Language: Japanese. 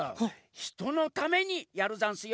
ひとのためにやるざんすよ。